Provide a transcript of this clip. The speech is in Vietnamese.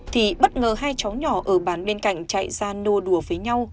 thì bất ngờ hai cháu nhỏ ở bàn bên cạnh chạy ra nô đùa với nhau